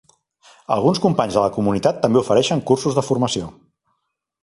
Alguns companys de la comunitat també ofereixen cursos de formació.